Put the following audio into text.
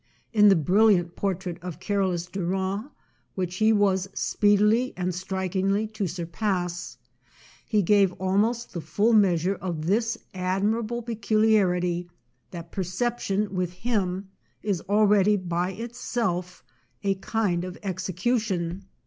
In the brilliant portrait of Carolus Duran, which he was speedily and strikingly to surpass, he gave almost the full measure of this admirable peculiarity, that perception with him is already by itself a kind of execu tion.